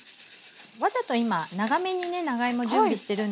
わざと今長めにね長芋準備してるんですけど。